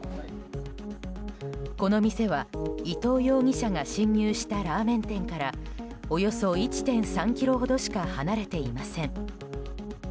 この店は、伊藤容疑者が侵入したラーメン店からおよそ１．３ｋｍほどしか離れていません。